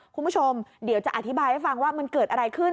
คุณผู้ชมเดี๋ยวจะอธิบายให้ฟังว่ามันเกิดอะไรขึ้น